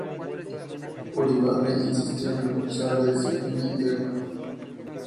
Uribarri insistió en reforzar la disciplina interna.